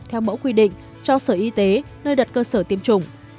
theo mẫu quy định cho sở y tế nơi đặt cơ sở tiêm chủng